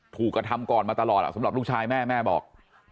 ถูกกระทำก่อนมาตลอดสำหรับลูกชายแม่แม่บอก